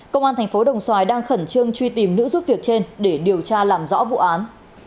công an thành phố đồng xoài đang khẩn trương truy tìm nữ giúp việc trên để điều tra làm rõ vụ án